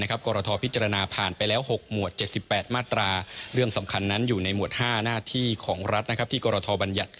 กรทพิจารณาผ่านไปแล้ว๖หมวด๗๘มาตรา